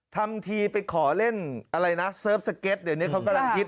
ทำทีไปขอเล่นอะไรนะเสิร์ฟสเก็ตเดี๋ยวนี้เขากำลังคิด